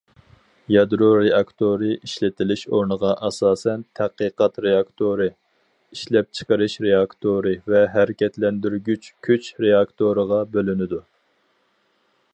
يادرو رېئاكتورى ئىشلىتىلىش ئورنىغا ئاساسەن تەتقىقات رېئاكتورى، ئىشلەپچىقىرىش رېئاكتورى ۋە ھەرىكەتلەندۈرگۈچ كۈچ رېئاكتورىغا بۆلۈنىدۇ.